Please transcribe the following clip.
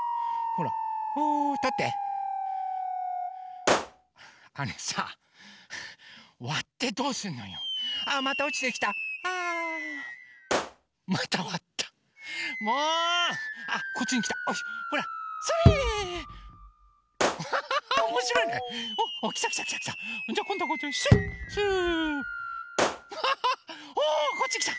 ほこっちきた。